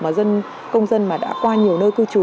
mà dân công dân mà đã qua nhiều nơi cư trú